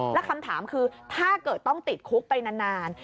แล้วคำถามคือถ้าเกิดต้องติดคุกไปนาน